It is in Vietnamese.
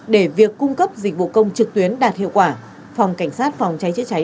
để việc cung cấp dịch vụ công trực tuyến đạt hiệu quả phòng cảnh sát phòng cháy chữa cháy